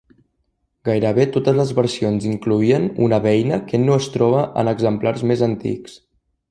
Gairebé totes les versions incloïen una beina que no es troba en exemplars més antics.